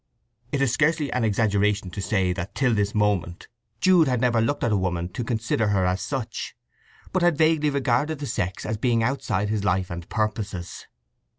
It is scarcely an exaggeration to say that till this moment Jude had never looked at a woman to consider her as such, but had vaguely regarded the sex as beings outside his life and purposes.